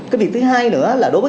cái việc thứ hai nữa là đối với